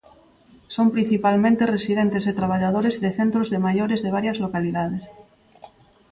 Son principalmente residentes e traballadores de centros de maiores de varias localidades.